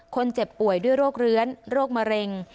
คนเจ็บป่วยด้วยโรคเลื้อนโรคมะเร็ง